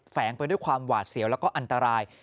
แฝงไปด้วยความหวาดเสียวแล้วก็อันตราย